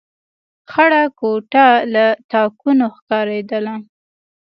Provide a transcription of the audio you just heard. خړه کوټه له تاکونو ښکارېدله.